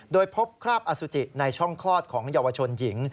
โดยพบคราบอสุจิในช่องคลอดของเยาวชนหญิง